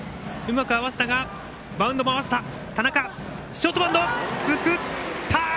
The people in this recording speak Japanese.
ショートバウンドすくった。